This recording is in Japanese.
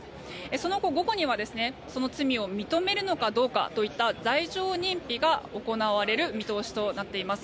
その後、午後にはその罪を認めるのかどうかといった罪状認否が行われる見通しとなっています。